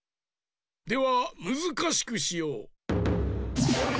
ではむずかしくしよう。